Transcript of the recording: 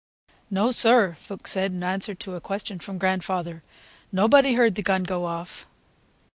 "No, sir," Fuchs said in answer to a question from grandfather, "nobody heard the gun go off.